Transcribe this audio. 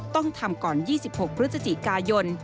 ต้องทำก่อน๒๖พฤศจิกายน